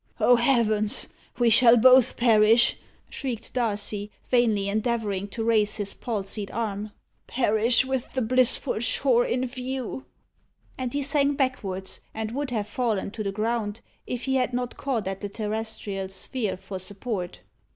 "Oh, heavens! we shall both perish," shrieked Darcy, vainly endeavouring to raise his palsied arm, "perish with the blissful shore in view." And he sank backwards, and would have fallen to the ground if he had not caught at the terrestrial sphere for support.